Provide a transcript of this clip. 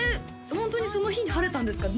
ホントにその日に晴れたんですかね？